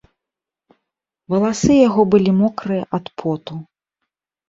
Валасы яго былі мокрыя ад поту.